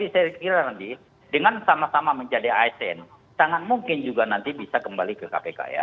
saya kira nanti dengan sama sama menjadi asn sangat mungkin juga nanti bisa kembali ke kpk ya